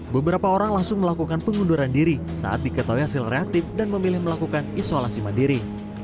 beberapa orang langsung melakukan pengunduran diri saat diketahui hasil reaktif dan memilih melakukan isolasi mandiri